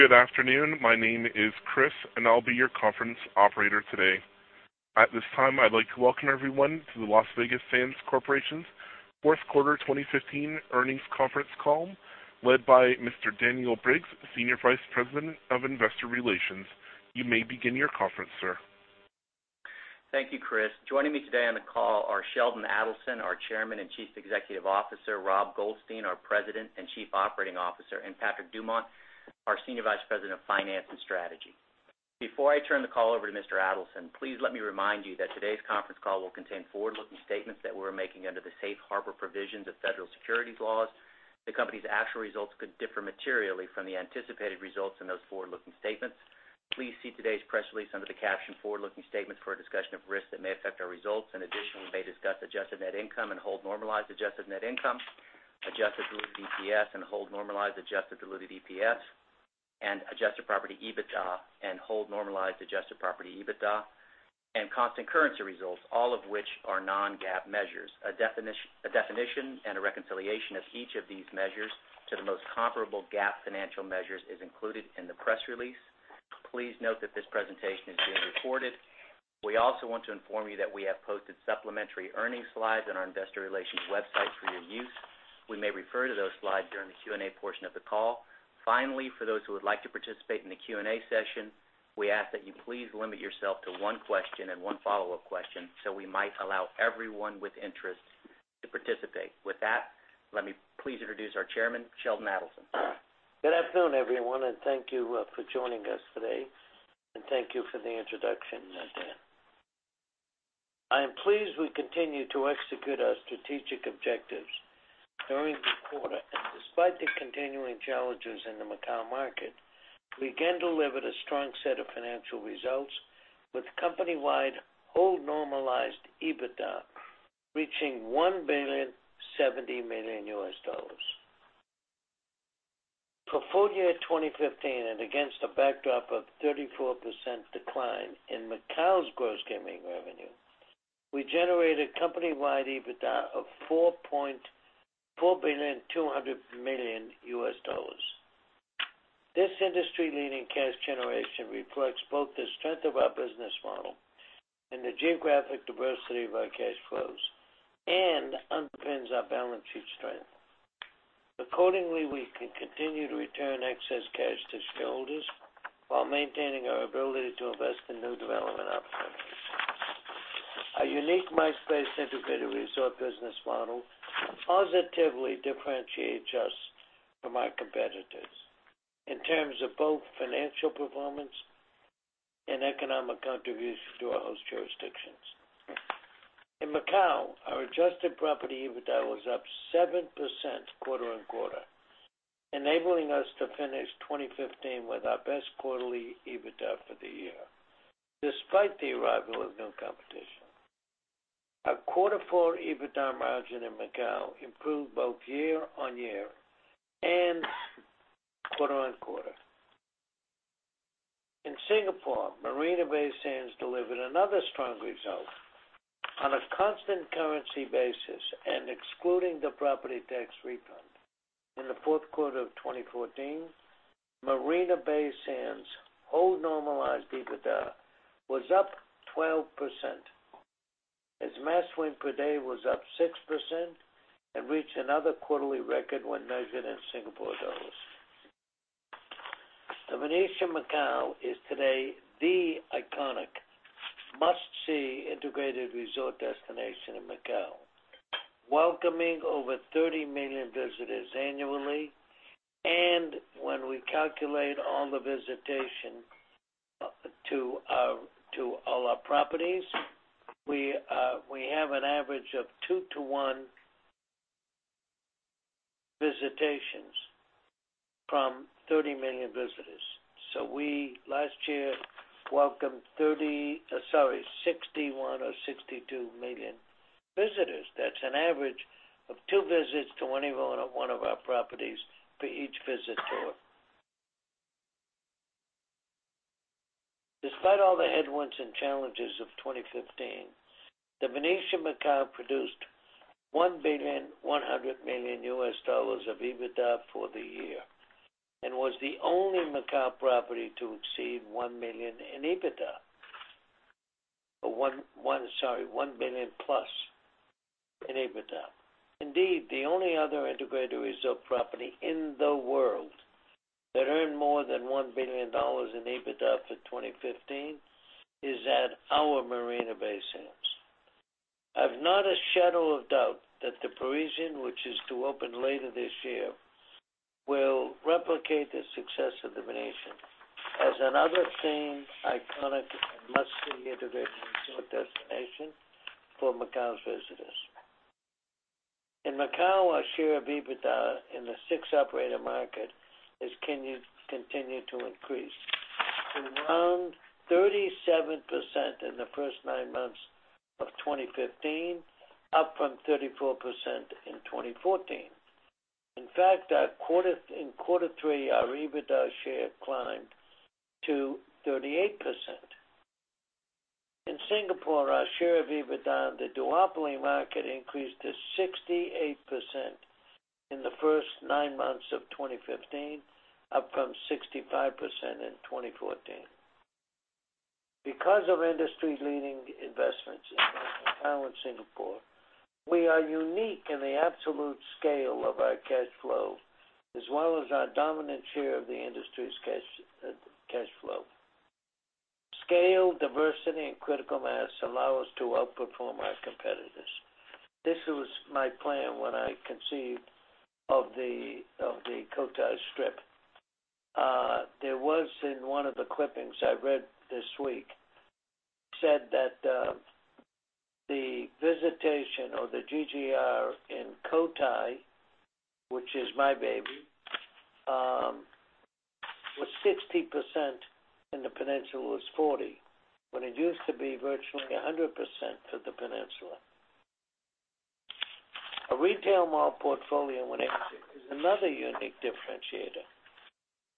Good afternoon. My name is Chris, and I'll be your conference operator today. At this time, I'd like to welcome everyone to the Las Vegas Sands Corporation's fourth quarter 2015 earnings conference call led by Mr. Daniel Briggs, Senior Vice President of Investor Relations. You may begin your conference, sir. Thank you, Chris. Joining me today on the call are Sheldon Adelson, our Chairman and Chief Executive Officer, Robert Goldstein, our President and Chief Operating Officer, and Patrick Dumont, our Senior Vice President of Finance and Strategy. Before I turn the call over to Mr. Adelson, please let me remind you that today's conference call will contain forward-looking statements that we're making under the safe harbor provisions of federal securities laws. The company's actual results could differ materially from the anticipated results in those forward-looking statements. Please see today's press release under the caption Forward-Looking Statements for a discussion of risks that may affect our results. In addition, we may discuss adjusted net income and hold normalized adjusted net income, adjusted diluted EPS and hold normalized adjusted diluted EPS, and adjusted property EBITDA and hold normalized adjusted property EBITDA, and constant currency results, all of which are non-GAAP measures. A definition and a reconciliation of each of these measures to the most comparable GAAP financial measures is included in the press release. Please note that this presentation is being recorded. We also want to inform you that we have posted supplementary earnings slides on our investor relations website for your use. We may refer to those slides during the Q&A portion of the call. Finally, for those who would like to participate in the Q&A session, we ask that you please limit yourself to one question and one follow-up question so we might allow everyone with interest to participate. With that, let me please introduce our Chairman, Sheldon Adelson. Good afternoon, everyone, and thank you for joining us today, and thank you for the introduction, Dan. I am pleased we continue to execute our strategic objectives during the quarter. Despite the continuing challenges in the Macao market, we again delivered a strong set of financial results with company-wide hold normalized EBITDA reaching US$1.070 billion. For full-year 2015, against a backdrop of 34% decline in Macao's gross gaming revenue, we generated company-wide EBITDA of US$4.2 billion. This industry-leading cash generation reflects both the strength of our business model and the geographic diversity of our cash flows and underpins our balance sheet strength. Accordingly, we can continue to return excess cash to shareholders while maintaining our ability to invest in new development opportunities. Our unique MICE integrated resort business model positively differentiates us from our competitors in terms of both financial performance and economic contribution to our host jurisdictions. In Macau, our adjusted property EBITDA was up 7% quarter-on-quarter, enabling us to finish 2015 with our best quarterly EBITDA for the year, despite the arrival of new competition. Our quarter four EBITDA margin in Macau improved both year-on-year and quarter-on-quarter. In Singapore, Marina Bay Sands delivered another strong result. On a constant currency basis and excluding the property tax refund in the fourth quarter of 2014, Marina Bay Sands' hold normalized EBITDA was up 12%, as mass win per day was up 6% and reached another quarterly record when measured in SGD. The Venetian Macao is today the iconic must-see integrated resort destination in Macau, welcoming over 30 million visitors annually. When we calculate all the visitation to all our properties, we have an average of two to one visitations from 30 million visitors. We, last year, welcomed 61 or 62 million visitors. That's an average of two visits to any one of our properties for each visitor. Despite all the headwinds and challenges of 2015, The Venetian Macao produced US$1.1 billion of EBITDA for the year and was the only Macau property to exceed 1 million in EBITDA. Sorry, 1 billion-plus in EBITDA. Indeed, the only other integrated resort property in the world that earned more than $1 billion in EBITDA for 2015 is at our Marina Bay Sands. I have not a shadow of doubt that The Parisian, which is to open later this year, will replicate the success of The Venetian as another famed, iconic, and must-see integrated resort destination for Macau's visitors. In Macau, our share of EBITDA in the six operator market has continued to increase to around 37% in the first nine months of 2015, up from 34% in 2014. In fact, in quarter three, our EBITDA share climbed to 38%. Singapore, our share of EBITDA in the duopoly market increased to 68% in the first nine months of 2015, up from 65% in 2014. Because of industry-leading investments in Macau and Singapore, we are unique in the absolute scale of our cash flow, as well as our dominant share of the industry's cash flow. Scale, diversity, and critical mass allow us to outperform our competitors. This was my plan when I conceived of the Cotai Strip. There was, in one of the clippings I read this week, said that the visitation or the GGR in Cotai, which is my baby, was 60%, and the Peninsula was 40%, when it used to be virtually 100% for the Peninsula. Our retail mall portfolio is another unique differentiator.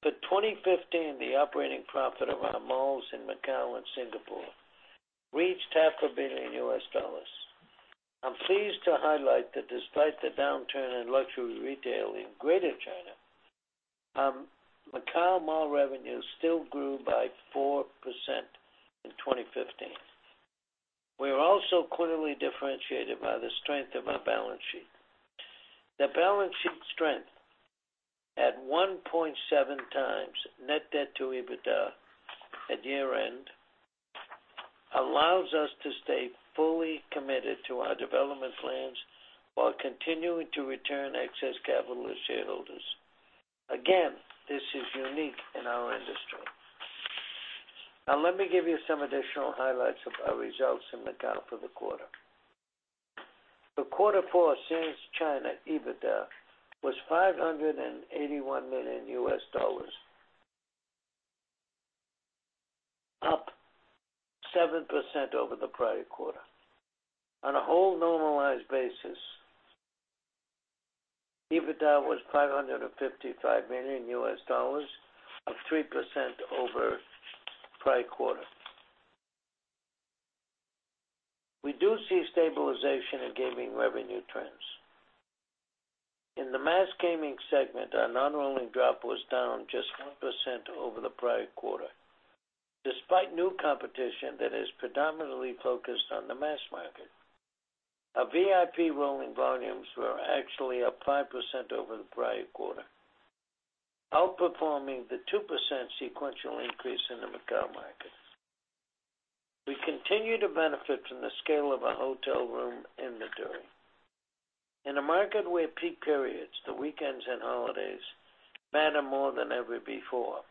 For 2015, the operating profit of our malls in Macau and Singapore reached $500 million. I'm pleased to highlight that despite the downturn in luxury retail in Greater China, Macau Mall revenues still grew by 4% in 2015. We are also clearly differentiated by the strength of our balance sheet. The balance sheet strength at 1.7 times net debt to EBITDA at year-end, allows us to stay fully committed to our development plans while continuing to return excess capital to shareholders. Again, this is unique in our industry. Let me give you some additional highlights of our results in Macao for the quarter. For Q4, Sands China EBITDA was $581 million USD, up 7% over the prior quarter. On a hold normalized basis, EBITDA was $555 million USD, up 3% over prior quarter. We do see stabilization in gaming revenue trends. In the mass gaming segment, our non-rolling drop was down just 1% over the prior quarter, despite new competition that is predominantly focused on the mass market. Our VIP rolling volumes were actually up 5% over the prior quarter, outperforming the 2% sequential increase in the Macao market. We continue to benefit from the scale of our hotel room inventory. In a market where peak periods, the weekends and holidays matter more than ever before,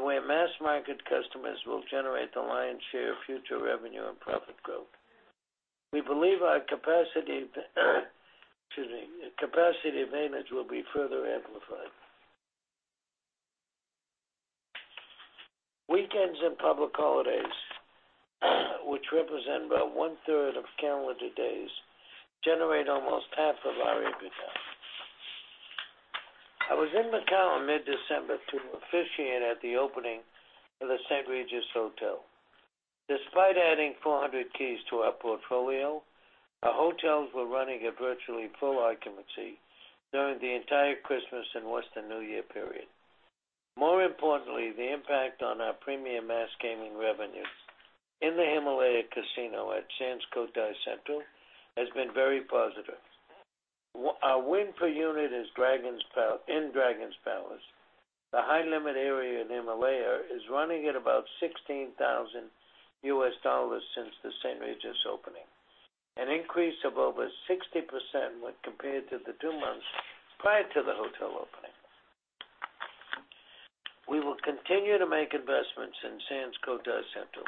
where mass-market customers will generate the lion's share of future revenue and profit growth, we believe our capacity advantage will be further amplified. Weekends and public holidays, which represent about 1/3 of calendar days, generate almost half of our EBITDA. I was in Macao in mid-December to officiate at the opening of the St. Regis Hotel. Despite adding 400 keys to our portfolio, our hotels were running at virtually full occupancy during the entire Christmas and Western New Year period. More importantly, the impact on our premium mass gaming revenues in the Himalaya Casino at Sands Cotai Central has been very positive. Our win per unit in Dragon's Palace, the high-limit area in Himalaya, is running at about $16,000 USD since the St. Regis opening, an increase of over 60% when compared to the two months prior to the hotel opening. We will continue to make investments in Sands Cotai Central.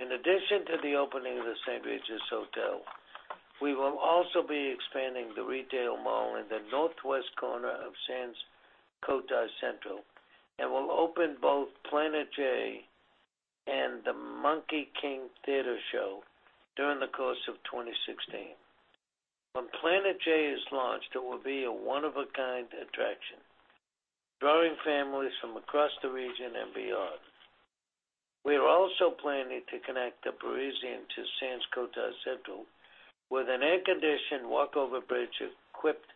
In addition to the opening of the St. Regis Hotel, we will also be expanding the retail mall in the northwest corner of Sands Cotai Central will open both Planet J and the Monkey King Theater Show during the course of 2016. When Planet J is launched, it will be a one-of-a-kind attraction, drawing families from across the region and beyond. We are also planning to connect the Parisian to Sands Cotai Central with an air-conditioned walk-over bridge equipped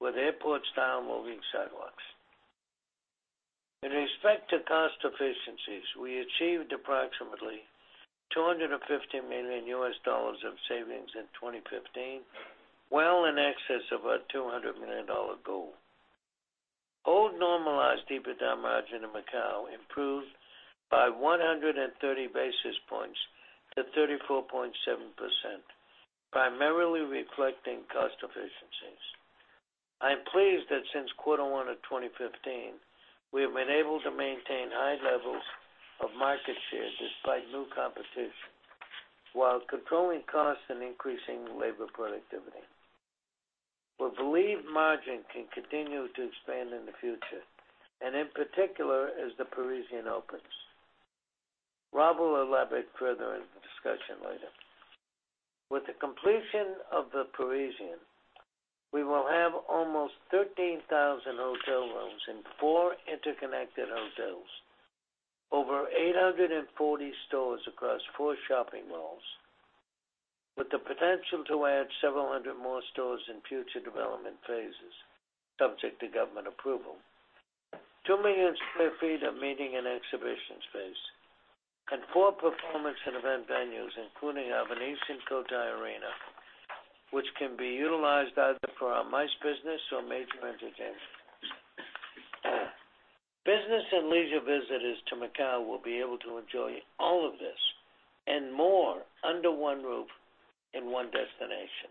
with airport-style moving sidewalks. In respect to cost efficiencies, we achieved approximately $250 million USD of savings in 2015, well in excess of our $200 million goal. Hold normalized EBITDA margin in Macao improved by 130 basis points to 34.7%, primarily reflecting cost efficiencies. I am pleased that since Q1 of 2015, we have been able to maintain high levels of market share despite new competition, while controlling costs and increasing labor productivity. We believe margin can continue to expand in the future, in particular, as the Parisian opens. Rob will elaborate further in the discussion later. With the completion of The Parisian, we will have almost 13,000 hotel rooms in four interconnected hotels, over 840 stores across four shopping malls, with the potential to add several hundred more stores in future development phases, subject to government approval, 2 million square feet of meeting and exhibition space, and four performance and event venues, including our Venetian Cotai Arena, which can be utilized either for our MICE business or major entertainment. Business and leisure visitors to Macao will be able to enjoy all of this and more under one roof in one destination.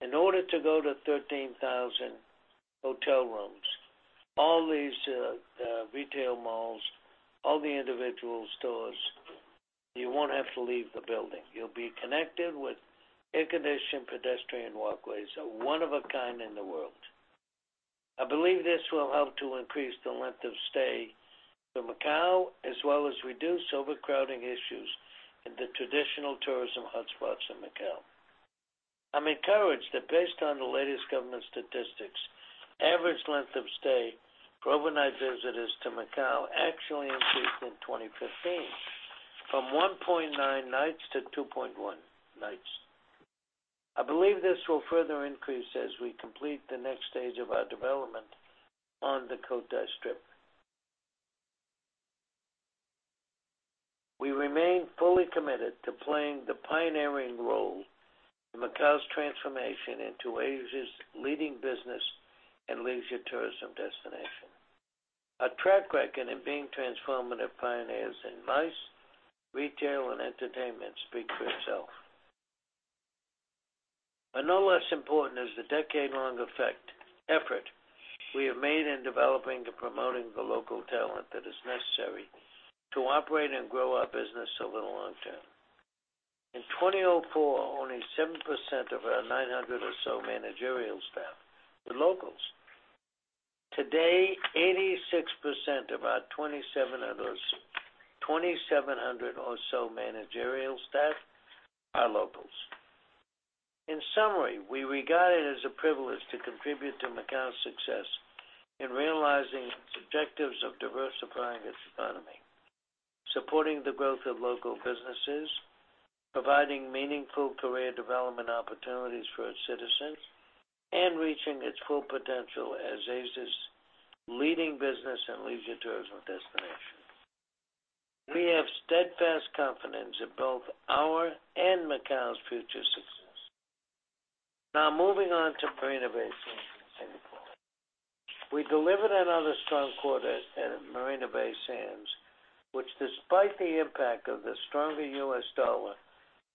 In order to go to 13,000 hotel rooms, all these retail malls, all the individual stores, you won't have to leave the building. You'll be connected with air-conditioned pedestrian walkways, one of a kind in the world. I believe this will help to increase the length of stay for Macao, as well as reduce overcrowding issues in the traditional tourism hotspots in Macao. I'm encouraged that based on the latest government statistics, average length of stay for overnight visitors to Macao actually increased in 2015 from 1.9 nights to 2.1 nights. I believe this will further increase as we complete the next stage of our development on the Cotai Strip. We remain fully committed to playing the pioneering role in Macao's transformation into Asia's leading business and leisure tourism destination. Our track record in being transformative pioneers in MICE, retail, and entertainment speaks for itself. No less important is the decade-long effort we have made in developing and promoting the local talent that is necessary to operate and grow our business over the long term. In 2004, only 7% of our 900 or so managerial staff were locals. Today, 86% of our 2,700 or so managerial staff are locals. In summary, we regard it as a privilege to contribute to Macao's success in realizing its objectives of diversifying its economy, supporting the growth of local businesses, providing meaningful career development opportunities for its citizens, and reaching its full potential as Asia's leading business and leisure tourism destination. We have steadfast confidence in both our and Macao's future success. Now moving on to Marina Bay Sands in Singapore. We delivered another strong quarter at Marina Bay Sands, which despite the impact of the stronger U.S. dollar,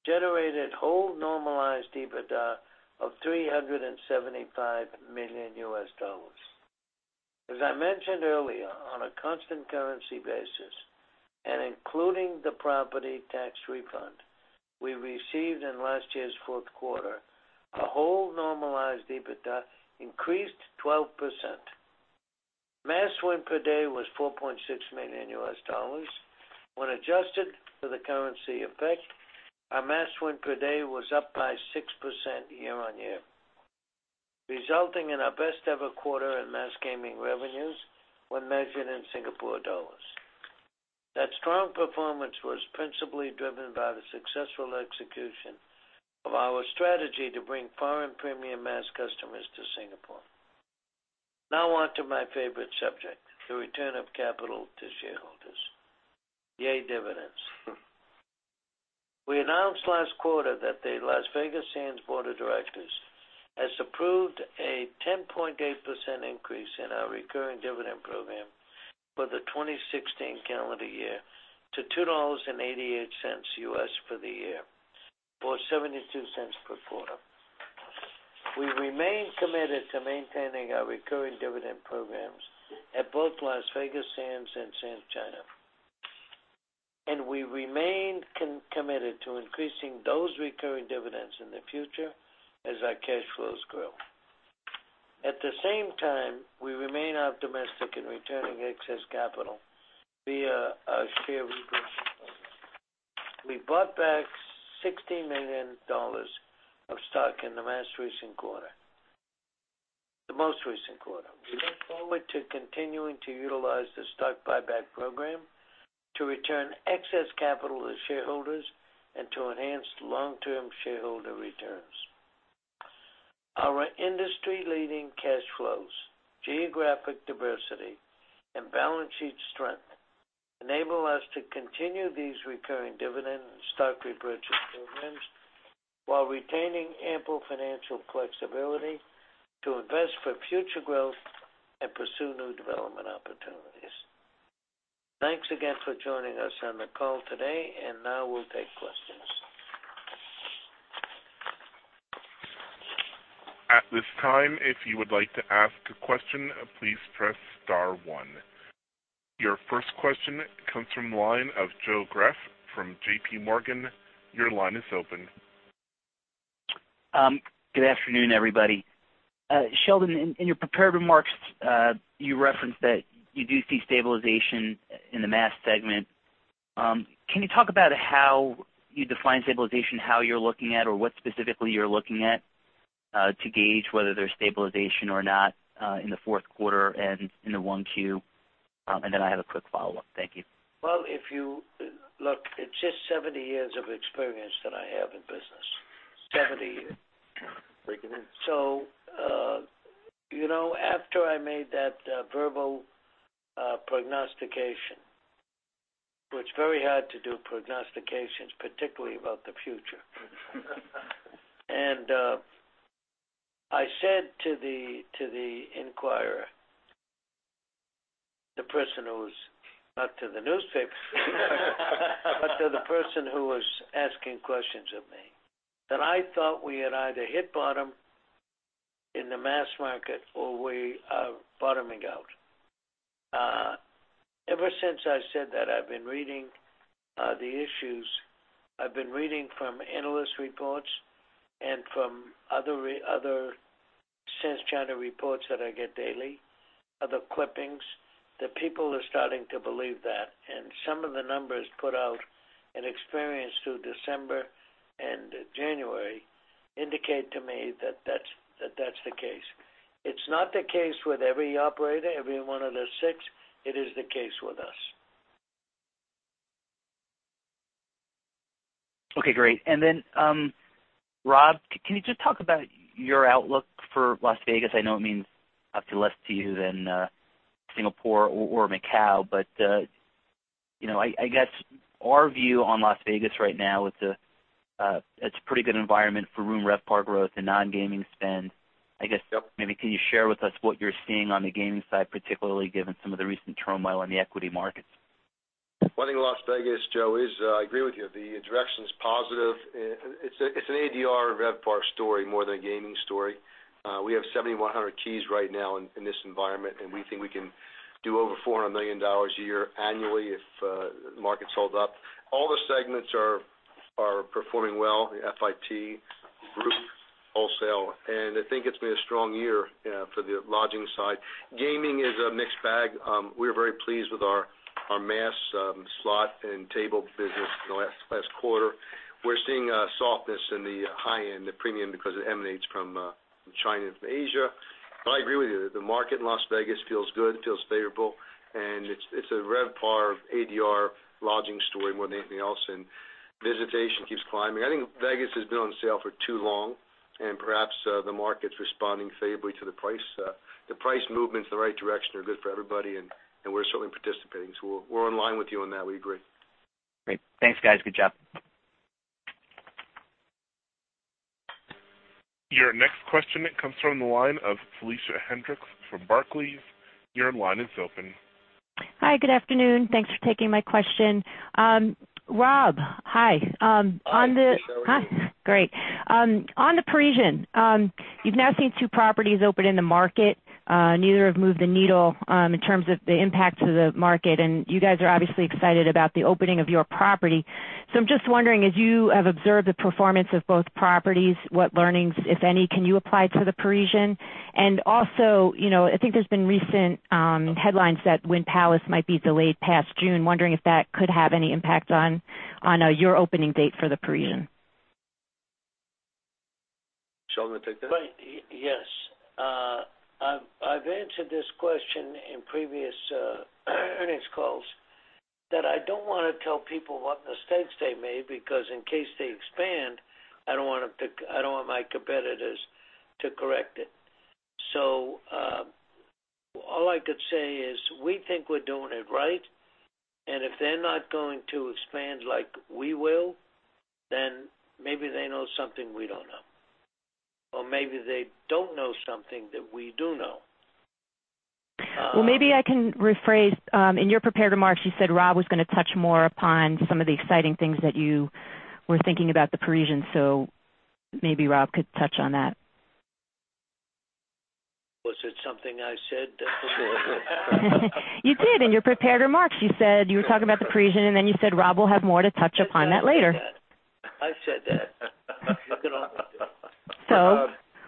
generated hold normalized EBITDA of $375 million. As I mentioned earlier, on a constant currency basis, and including the property tax refund we received in last year's fourth quarter, our hold normalized EBITDA increased 12%. Mass win per day was $4.6 million. When adjusted for the currency effect, our mass win per day was up by 6% year-on-year, resulting in our best ever quarter in mass gaming revenues when measured in SGD. That strong performance was principally driven by the successful execution of our strategy to bring foreign premium mass customers to Singapore. Now on to my favorite subject, the return of capital to shareholders. Yay, dividends. We announced last quarter that the Las Vegas Sands Board of Directors has approved a 10.8% increase in our recurring dividend program for the 2016 calendar year to $2.88 for the year, or $0.72 per quarter. We remain committed to maintaining our recurring dividend programs at both Las Vegas Sands and Sands China. We remain committed to increasing those recurring dividends in the future as our cash flows grow. At the same time, we remain optimistic in returning excess capital via our share repurchase program. We bought back $60 million of stock in the most recent quarter. We look forward to continuing to utilize the stock buyback program to return excess capital to shareholders and to enhance long-term shareholder returns. Our industry-leading cash flows, geographic diversity, and balance sheet strength enable us to continue these recurring dividend and stock repurchase programs while retaining ample financial flexibility to invest for future growth and pursue new development opportunities. Thanks again for joining us on the call today. Now we'll take questions. At this time, if you would like to ask a question, please press star one. Your first question comes from the line of Joe Greff from JPMorgan. Your line is open. Good afternoon, everybody. Sheldon, in your prepared remarks, you referenced that you do see stabilization in the mass segment. Can you talk about how you define stabilization, how you're looking at, or what specifically you're looking at to gauge whether there's stabilization or not in the fourth quarter and into 1Q? I have a quick follow-up. Thank you. Well, look, it's just 70 years of experience that I have in business. 70 years. After I made that verbal prognostication, which very hard to do prognostications, particularly about the future. I said to the inquirer, the person who was Not to the newspaper. To the person who was asking questions of me, that I thought we had either hit bottom in the mass market or we are bottoming out. Ever since I said that, I've been reading the issues, I've been reading from analyst reports and from other Sin City reports that I get daily, other clippings, that people are starting to believe that. Some of the numbers put out and experienced through December and January indicate to me that that's the case. It's not the case with every operator, every one of the six. It is the case with us. Okay, great. Rob, can you just talk about your outlook for Las Vegas? I know it means up to less to you than Singapore or Macau, but I guess our view on Las Vegas right now, it's a pretty good environment for room RevPAR growth and non-gaming spend. Yep maybe can you share with us what you're seeing on the gaming side, particularly given some of the recent turmoil in the equity markets? Well, I think Las Vegas, Joe, is, I agree with you. The direction's positive. It's an ADR RevPAR story more than a gaming story. We have 7,100 keys right now in this environment, and we think we can do over $400 million a year annually if the markets hold up. All the segments are performing well, the FIT, group, wholesale, and I think it's been a strong year for the lodging side. Gaming is a mixed bag. We're very pleased with our mass slot and table business in the last quarter. We're seeing a softness in the high end, the premium, because it emanates from China and from Asia. I agree with you, the market in Las Vegas feels good, feels favorable, and it's a RevPAR ADR lodging story more than anything else, and visitation keeps climbing. I think Vegas has been on sale for too long, and perhaps the market's responding favorably to the price. The price movements in the right direction are good for everybody, and we're certainly participating, so we're in line with you on that. We agree. Great. Thanks, guys. Good job. Your next question comes from the line of Felicia Hendrix from Barclays. Your line is open. Hi, good afternoon. Thanks for taking my question. Rob, hi. Hi, Felicia. How are you? Great. On The Parisian Macao, you've now seen two properties open in the market. Neither have moved the needle in terms of the impact to the market, and you guys are obviously excited about the opening of your property. I'm just wondering, as you have observed the performance of both properties, what learnings, if any, can you apply to The Parisian Macao? And also, I think there's been recent headlines that Wynn Palace might be delayed past June. Wondering if that could have any impact on your opening date for The Parisian Macao. Sheldon, want to take that? Right. Yes. I've answered this question in previous earnings calls that I don't want to tell people what mistakes they made because in case they expand, I don't want my competitors to correct it. All I could say is we think we're doing it right, and if they're not going to expand like we will, then maybe they know something we don't know, or maybe they don't know something that we do know. Maybe I can rephrase. In your prepared remarks, you said Rob was going to touch more upon some of the exciting things that you were thinking about The Parisian Macao. Maybe Rob could touch on that. Was it something I said? You did, in your prepared remarks. You were talking about the Parisian, and then you said Rob will have more to touch upon that later. I said that.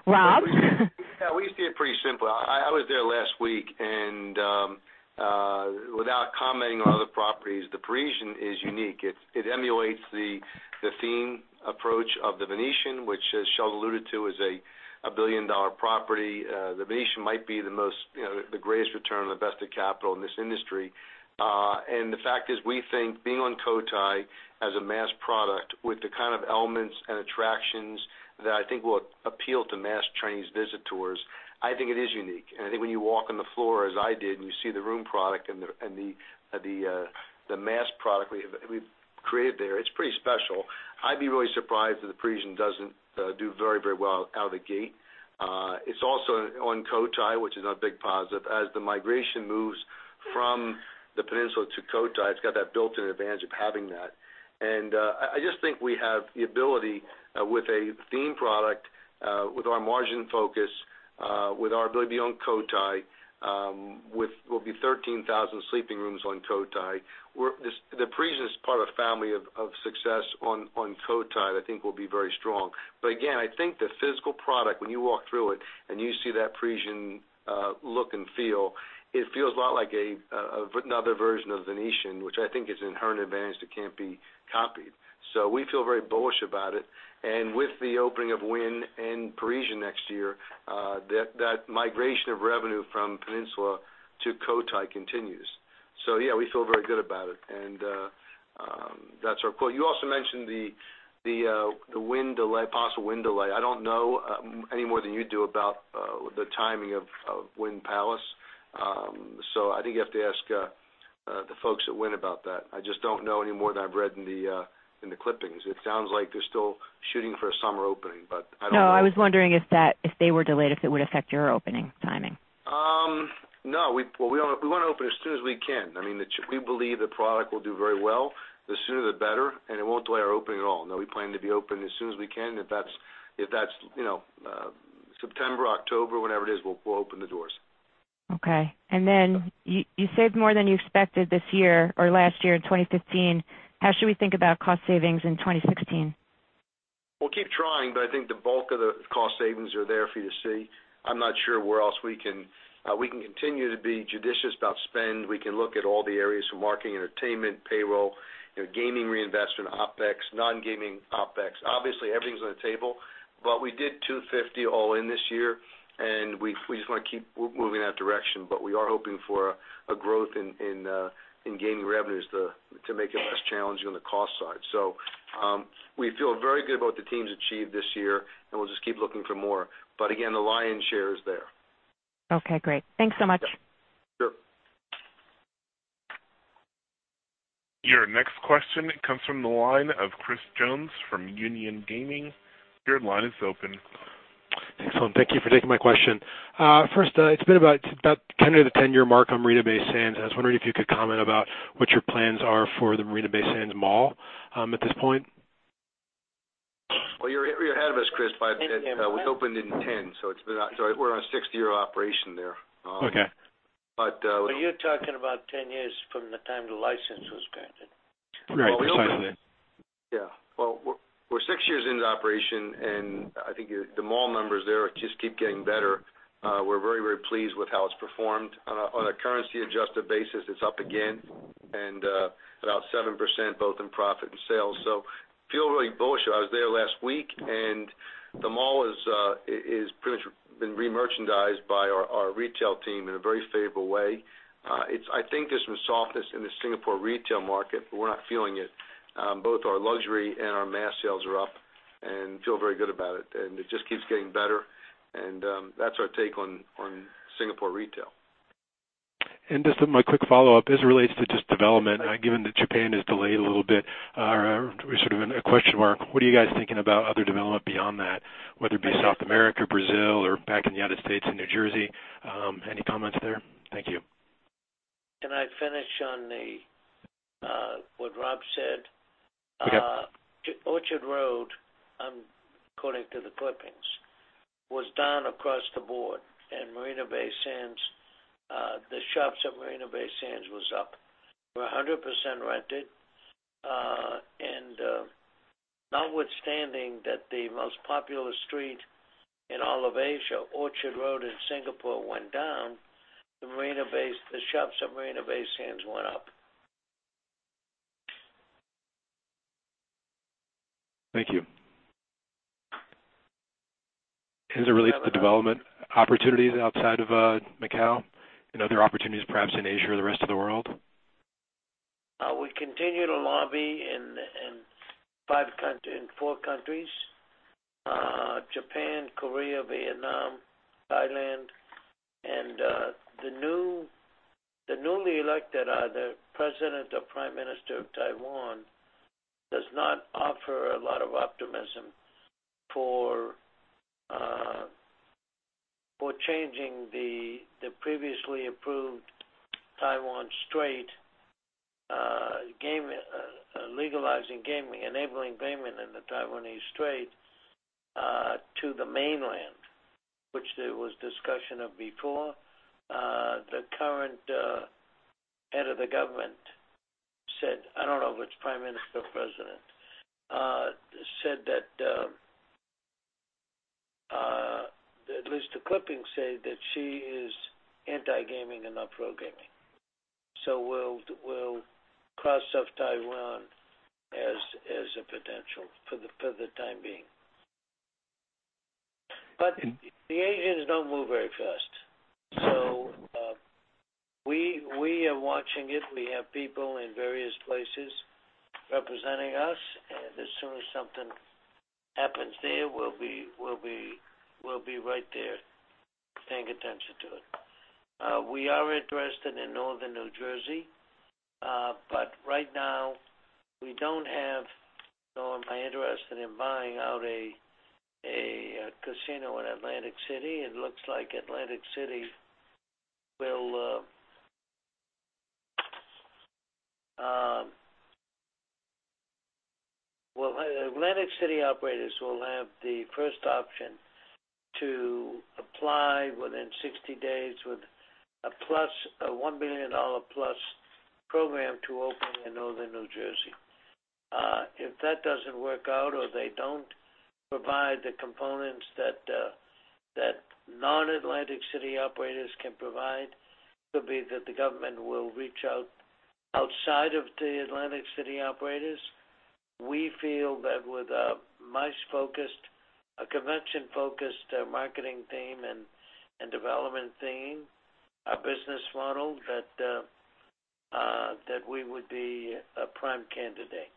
Rob. Yeah, we see it pretty simple. I was there last week, and without commenting on other properties, The Parisian is unique. It emulates the theme approach of The Venetian, which as Sheldon alluded to, is a billion-dollar property. The Venetian might be the greatest return on invested capital in this industry. The fact is, we think being on Cotai as a mass product with the kind of elements and attractions that I think will appeal to mass Chinese visitors, I think it is unique. I think when you walk on the floor as I did, and you see the room product and the mass product we've created there, it's pretty special. I'd be really surprised if The Parisian doesn't do very well out of the gate. It's also on Cotai, which is a big positive. As the migration moves from the Peninsula to Cotai, it's got that built-in advantage of having that. I just think we have the ability with a theme product, with our margin focus With our ability on Cotai, with what will be 13,000 sleeping rooms on Cotai. The Parisian is part of the family of success on Cotai, I think will be very strong. Again, I think the physical product, when you walk through it and you see that Parisian look and feel, it feels a lot like another version of The Venetian, which I think is an inherent advantage that can't be copied. We feel very bullish about it. With the opening of Wynn and Parisian next year, that migration of revenue from Peninsula to Cotai continues. Yeah, we feel very good about it. That's our quote. You also mentioned the possible Wynn delay. I don't know any more than you do about the timing of Wynn Palace. I think you have to ask the folks at Wynn about that. I just don't know any more than I've read in the clippings. It sounds like they're still shooting for a summer opening, I don't know. No, I was wondering if they were delayed, if it would affect your opening timing. No. We want to open as soon as we can. We believe the product will do very well. The sooner, the better, it won't delay our opening at all. No, we plan to be open as soon as we can. If that's September, October, whenever it is, we'll open the doors. Okay. You saved more than you expected this year or last year in 2015. How should we think about cost savings in 2016? We'll keep trying, I think the bulk of the cost savings are there for you to see. I'm not sure where else we can continue to be judicious about spend. We can look at all the areas from marketing, entertainment, payroll, gaming reinvestment, OpEx, non-gaming OpEx. Obviously, everything's on the table, we did $250 all in this year, we just want to keep moving in that direction. We are hoping for a growth in gaming revenues to make it less challenging on the cost side. We feel very good about what the team's achieved this year, we'll just keep looking for more. Again, the lion's share is there. Okay, great. Thanks so much. Sure. Your next question comes from the line of Chris Jones from Union Gaming. Your line is open. Excellent. Thank you for taking my question. First, it's been about kind of the 10-year mark on Marina Bay Sands. I was wondering if you could comment about what your plans are for the Marina Bay Sands Mall at this point. Well, you're ahead of us, Chris, by a bit. We opened in 2010, we're on sixth year of operation there. Okay. But- You're talking about 10 years from the time the license was granted. Right. Precisely. Well, we're six years into the operation, I think the mall numbers there just keep getting better. We're very, very pleased with how it's performed. On a currency-adjusted basis, it's up again and about 7%, both in profit and sales. Feel really bullish. I was there last week, the mall has pretty much been re-merchandised by our retail team in a very favorable way. I think there's some softness in the Singapore retail market, but we're not feeling it. Both our luxury and our mass sales are up, feel very good about it just keeps getting better. That's our take on Singapore retail. Just my quick follow-up, as it relates to just development, given that Japan is delayed a little bit, or sort of in a question mark, what are you guys thinking about other development beyond that, whether it be South America, Brazil, or back in the U.S. and New Jersey? Any comments there? Thank you. Can I finish on what Rob said? Okay. Orchard Road, according to the clippings, was down across the board in Marina Bay Sands. The shops at Marina Bay Sands was up. We're 100% rented. Notwithstanding that the most popular street in all of Asia, Orchard Road in Singapore, went down, the shops at Marina Bay Sands went up. Thank you. As it relates to the development opportunities outside of Macau and other opportunities, perhaps in Asia or the rest of the world? We continue to lobby in four countries: Japan, Korea, Vietnam, Thailand. The newly elected, either president or prime minister of Taiwan, does not offer a lot of optimism for changing the previously approved Taiwan Strait, legalizing gaming, enabling gaming in the Taiwan Strait, to the mainland. Which there was discussion of before. The current head of the government said, I don't know if it's prime minister or president, said that, at least the clippings say, that she is anti-gaming and not pro-gaming. We'll cross off Taiwan as a potential for the time being. The Asians don't move very fast. We are watching it. We have people in various places representing us, and as soon as something happens there, we'll be right there paying attention to it. We are interested in Northern New Jersey. Right now, we don't have any interest in buying out a casino in Atlantic City. It looks like Atlantic City will Atlantic City operators will have the first option to apply within 60 days with a $1 billion-plus program to open in northern New Jersey. If that doesn't work out or they don't provide the components that non-Atlantic City operators can provide, could be that the government will reach outside of the Atlantic City operators. We feel that with a MICE-focused, a convention-focused marketing team and development team, our business model, that we would be a prime candidate.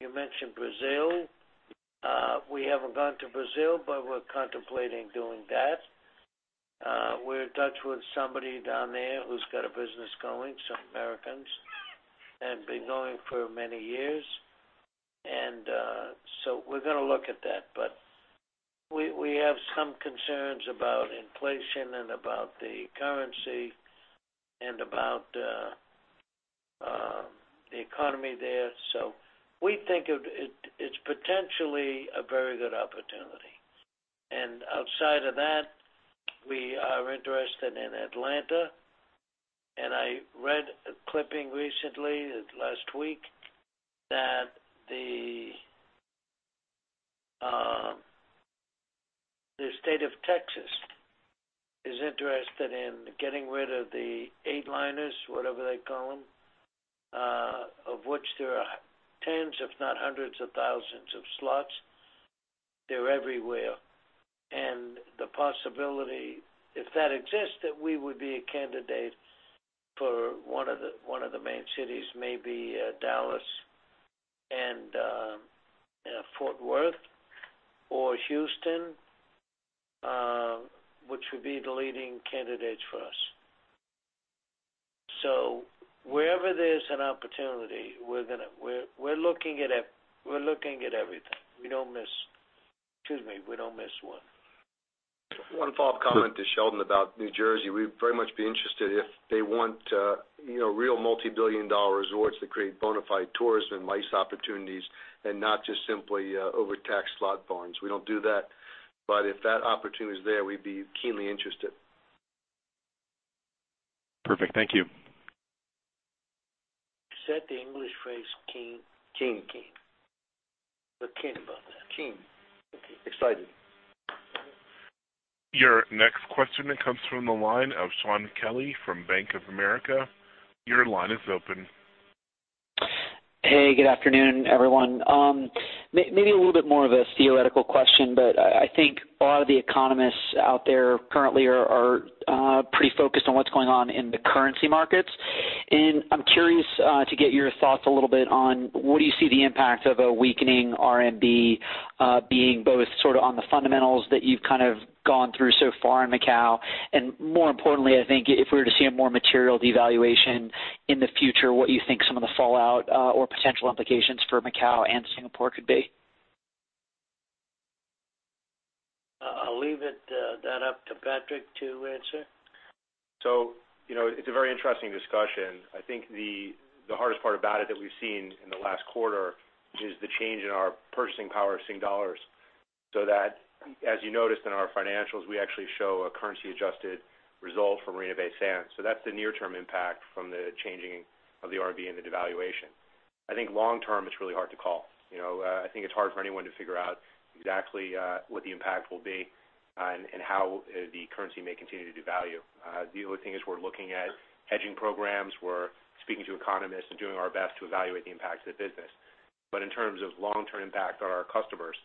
You mentioned Brazil. We haven't gone to Brazil, but we're contemplating doing that. We're in touch with somebody down there who's got a business going, some Americans, and been going for many years. We're going to look at that, but we have some concerns about inflation and about the currency and about the economy there. We think it's potentially a very good opportunity. Outside of that, we are interested in Atlanta. I read a clipping recently, last week, that the state of Texas is interested in getting rid of the eight-liners, whatever they call them, of which there are tens, if not hundreds of thousands of slots. They're everywhere. The possibility, if that exists, that we would be a candidate for one of the main cities, maybe Dallas and Fort Worth or Houston, which would be the leading candidates for us. Wherever there's an opportunity, we're looking at everything. We don't miss one. One follow-up comment to Sheldon about New Jersey. We'd very much be interested if they want real multi-billion-dollar resorts that create bona fide tourism, MICE opportunities, and not just simply overtax slot barns. We don't do that. If that opportunity is there, we'd be keenly interested. Perfect. Thank you. You said the English phrase keen. Keen, keen. We're keen about that. Keen. Okay. Excited. Your next question comes from the line of Shaun Kelley from Bank of America. Your line is open. Hey, good afternoon, everyone. Maybe a little bit more of a theoretical question, but I think a lot of the economists out there currently are pretty focused on what's going on in the currency markets. I'm curious to get your thoughts a little bit on what do you see the impact of a weakening RMB being both sort of on the fundamentals that you've kind of gone through so far in Macau, and more importantly, I think, if we were to see a more material devaluation in the future, what you think some of the fallout or potential implications for Macau and Singapore could be. I'll leave that up to Patrick to answer. It's a very interesting discussion. I think the hardest part about it that we've seen in the last quarter is the change in our purchasing power of Singapore dollars, so that, as you noticed in our financials, we actually show a currency-adjusted result from Marina Bay Sands. That's the near-term impact from the changing of the RMB and the devaluation. I think long term, it's really hard to call. I think it's hard for anyone to figure out exactly what the impact will be and how the currency may continue to devalue. The only thing is we're looking at hedging programs. We're speaking to economists and doing our best to evaluate the impacts of the business. In terms of long-term impact on our customers,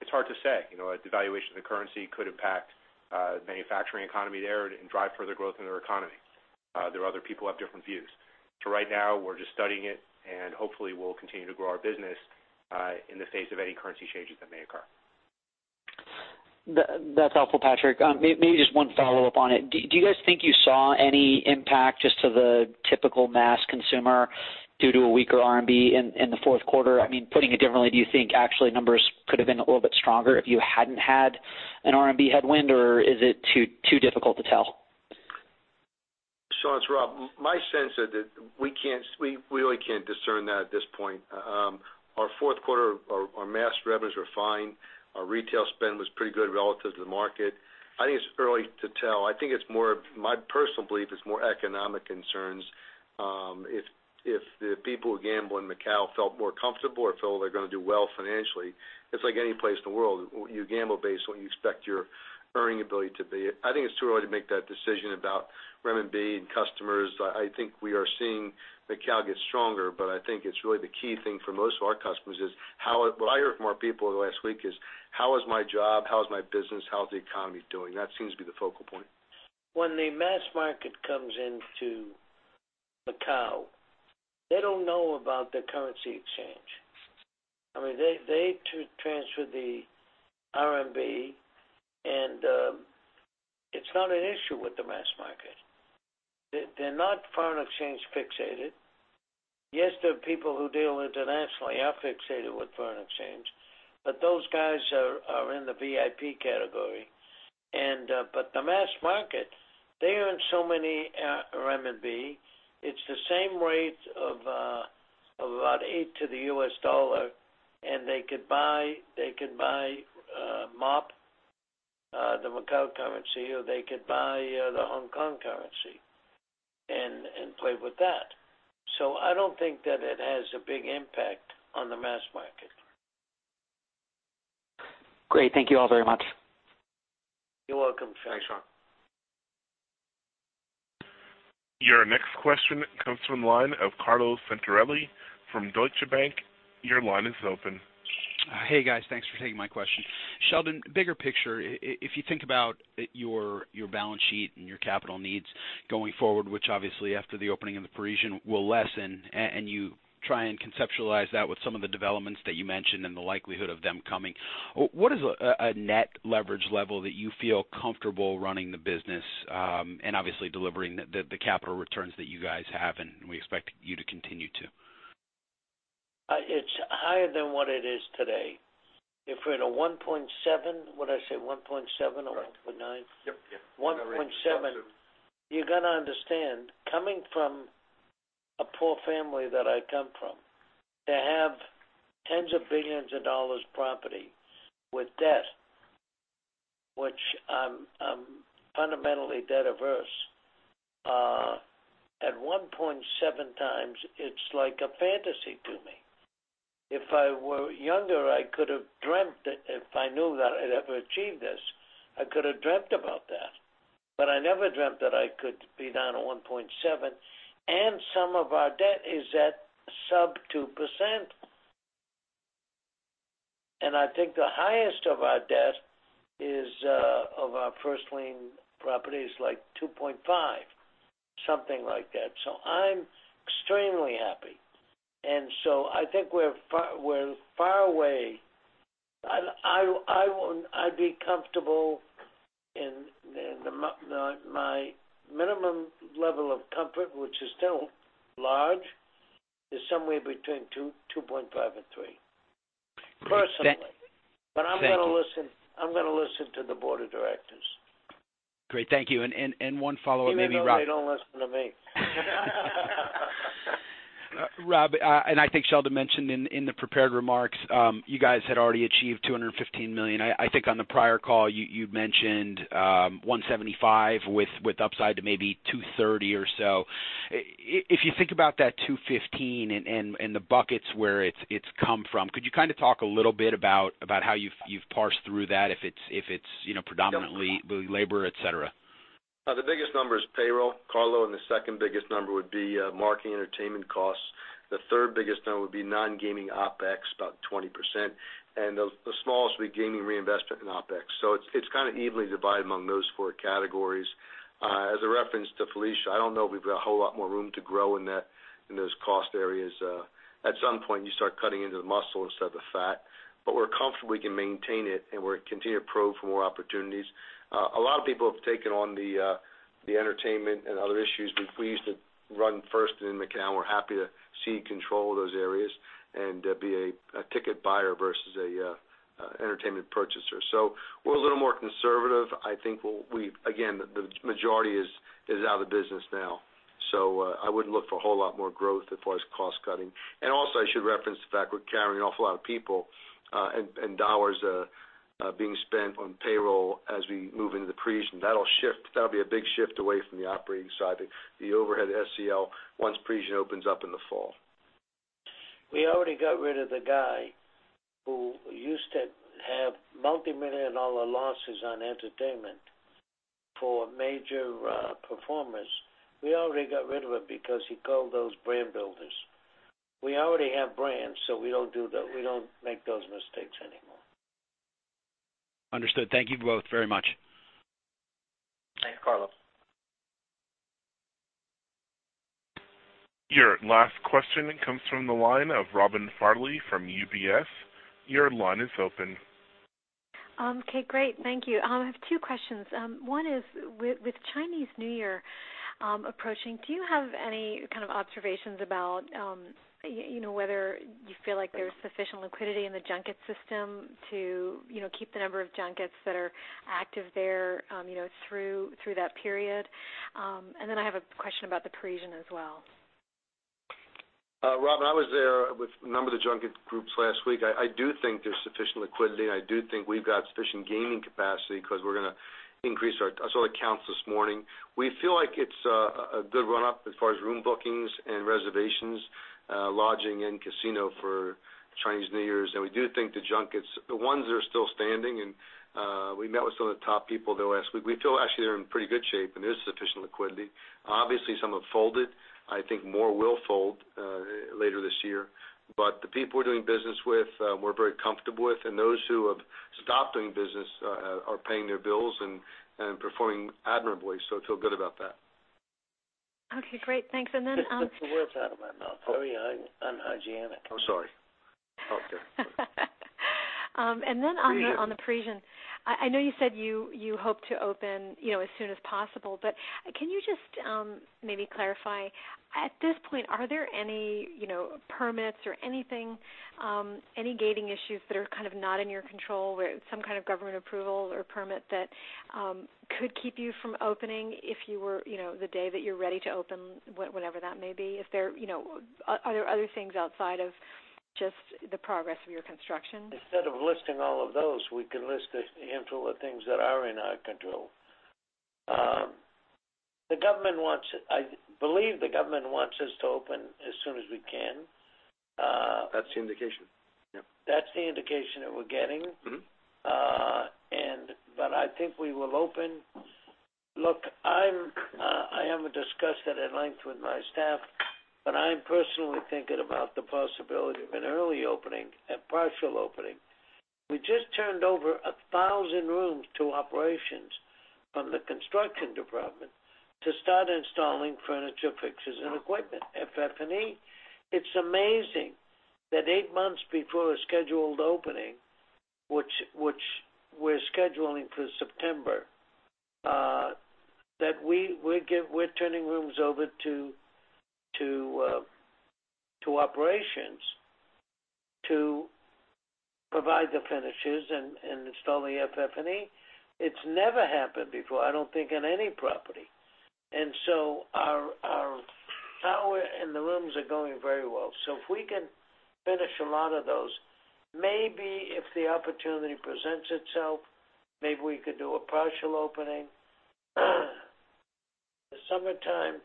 it's hard to say. A devaluation of the currency could impact the manufacturing economy there and drive further growth in their economy. There are other people who have different views. Right now, we're just studying it, and hopefully, we'll continue to grow our business in the face of any currency changes that may occur. That's helpful, Patrick. Maybe just one follow-up on it. Do you guys think you saw any impact just to the typical mass consumer due to a weaker RMB in the fourth quarter? Putting it differently, do you think actually numbers could have been a little bit stronger if you hadn't had an RMB headwind, or is it too difficult to tell? Shaun, it's Rob. My sense is that we really can't discern that at this point. Our fourth quarter, our mass revenues were fine. Our retail spend was pretty good relative to the market. I think it's early to tell. I think my personal belief, it's more economic concerns. If the people who gamble in Macau felt more comfortable or feel they're going to do well financially, it's like any place in the world. You gamble based on what you expect your earning ability to be. I think it's too early to make that decision about renminbi and customers. I think we are seeing Macau get stronger, but I think it's really the key thing for most of our customers is, what I heard from our people in the last week is, "How is my job? How is my business? How is the economy doing? That seems to be the focal point. When the mass market comes into Macau, they don't know about the currency exchange. They transfer the RMB, it's not an issue with the mass market. They're not foreign exchange fixated. Yes, there are people who deal internationally, are fixated with foreign exchange, but those guys are in the VIP category. The mass market, they earn so many RMB. It's the same rate of about eight to the U.S. dollar, and they could buy MOP, the Macau currency, or they could buy the Hong Kong currency and play with that. I don't think that it has a big impact on the mass market. Great. Thank you all very much. You're welcome. Thanks, Shaun. Your next question comes from the line of Carlo Santarelli from Deutsche Bank. Your line is open. Hey, guys. Thanks for taking my question. Sheldon, bigger picture, if you think about your balance sheet and your capital needs going forward, which obviously after the opening of The Parisian will lessen, and you try and conceptualize that with some of the developments that you mentioned and the likelihood of them coming, what is a net leverage level that you feel comfortable running the business, and obviously delivering the capital returns that you guys have and we expect you to continue to? It's higher than what it is today. If we're at a 1.7, would I say 1.7 or 1.9? Yep. 1.7. You got to understand, coming from a poor family that I come from, to have tens of billions of dollars property with debt, which I'm fundamentally debt averse, at 1.7 times, it's like a fantasy to me. If I were younger, I could have dreamt it. If I knew that I'd ever achieve this, I could have dreamt about that. I never dreamt that I could be down to 1.7. Some of our debt is at sub 2%. I think the highest of our debt of our first lien property is like 2.5, something like that. I'm extremely happy. I think we're far away. I'd be comfortable in my minimum level of comfort, which is still large, is somewhere between 2.5 and 3. Personally. Thank you. I'm going to listen to the board of directors. Great. Thank you. One follow-up maybe, Rob- Even though they don't listen to me. Rob, I think Sheldon mentioned in the prepared remarks, you guys had already achieved $215 million. I think on the prior call, you'd mentioned 175 with upside to maybe 230 or so. If you think about that 215 and the buckets where it's come from, could you talk a little bit about how you've parsed through that, if it's predominantly labor, et cetera? The biggest number is payroll, Carlo, and the second biggest number would be marketing, entertainment costs. The third biggest number would be non-gaming OpEx, about 20%, and the smallest would be gaming reinvestment in OpEx. It's kind of evenly divided among those four categories. As a reference to Felicia, I don't know if we've got a whole lot more room to grow in those cost areas. At some point, you start cutting into the muscle instead of the fat. We're comfortable we can maintain it, and we're going to continue to probe for more opportunities. A lot of people have taken on the entertainment and other issues. We used to run first in Macau, and we're happy to cede control of those areas and be a ticket buyer versus an entertainment purchaser. We're a little more conservative. I think, again, the majority is out of the business now. I wouldn't look for a whole lot more growth as far as cost cutting. Also, I should reference the fact we're carrying an awful lot of people and dollars being spent on payroll as we move into The Parisian. That'll be a big shift away from the operating side, the overhead SG&A, once Parisian opens up in the fall. We already got rid of the guy who used to have multimillion-dollar losses on entertainment for major performers. We already got rid of him because he called those brand builders. We already have brands, we don't make those mistakes anymore. Understood. Thank you both very much. Thanks, Carlo. Your last question comes from the line of Robin Farley from UBS. Your line is open. Okay, great. Thank you. I have two questions. One is, with Chinese New Year approaching, do you have any kind of observations about whether you feel like there's sufficient liquidity in the junket system to keep the number of junkets that are active there through that period? I have a question about The Parisian as well. Robin, I was there with a number of the junket groups last week. I do think there's sufficient liquidity. I do think we've got sufficient gaming capacity because we're going to increase our slot counts this morning. We feel like it's a good run up as far as room bookings and reservations, lodging, and casino for Chinese New Year's. We do think the junkets, the ones that are still standing, and we met with some of the top people there last week. We feel actually they're in pretty good shape, and there's sufficient liquidity. Obviously, some have folded. I think more will fold later this year. The people we're doing business with, we're very comfortable with, and those who have stopped doing business are paying their bills and performing admirably. I feel good about that. Okay, great. Thanks. You took the words out of my mouth. Very unhygienic. Oh, sorry. On the Parisian, I know you said you hope to open as soon as possible, can you just maybe clarify, at this point, are there any permits or anything, any gating issues that are not in your control, where some kind of government approval or permit that could keep you from opening the day that you're ready to open, whenever that may be? Are there other things outside of just the progress of your construction? Instead of listing all of those, we can list the handful of things that are in our control. I believe the government wants us to open as soon as we can. That's the indication. That's the indication that we're getting. I think we will open. Look, I haven't discussed it at length with my staff, I'm personally thinking about the possibility of an early opening, a partial opening. We just turned over 1,000 rooms to operations from the construction department to start installing furniture, fixtures, and equipment, FF&E. It's amazing that eight months before a scheduled opening, which we're scheduling for September, that we're turning rooms over to operations to provide the finishes and install the FF&E. It's never happened before, I don't think, on any property. Our tower and the rooms are going very well. If we can finish a lot of those, maybe if the opportunity presents itself, maybe we could do a partial opening. The summertime,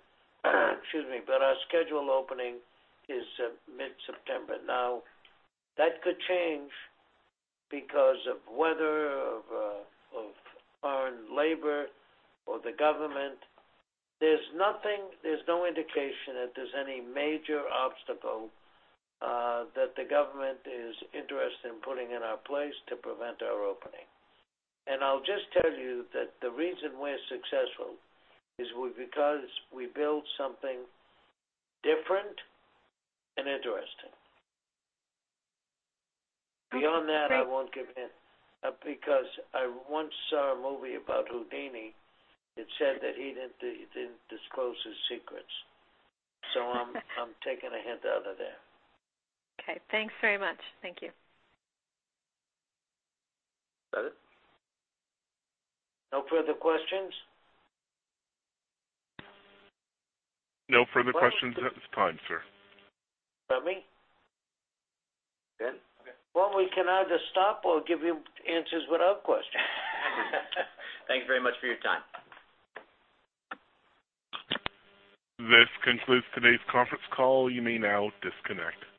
excuse me, our scheduled opening is mid-September. That could change because of weather, of foreign labor or the government. There's no indication that there's any major obstacle that the government is interested in putting in our place to prevent our opening. I'll just tell you that the reason we're successful is because we build something different and interesting. Beyond that, I won't give in, because I once saw a movie about Houdini. It said that he didn't disclose his secrets. I'm taking a hint out of there. Okay. Thanks very much. Thank you. Is that it? No further questions? No further questions at this time, sir. Is that me? Ben? Okay. Well, we can either stop or give you answers without questions. Thank you very much for your time. This concludes today's conference call. You may now disconnect.